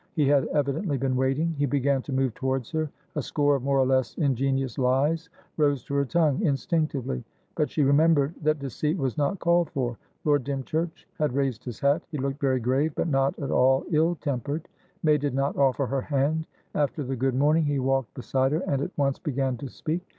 He had evidently been waiting; he began to move towards her. A score of more or less ingenious lies rose to her tongue, instinctively; but she remembered that deceit was not called for. Lord Dymchurch had raised his hat. He looked very grave, but not at all ill tempered. May did not offer her hand. After the "good morning," he walked beside her, and at once began to speak.